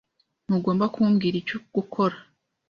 Ntugomba kumbwira icyo gukora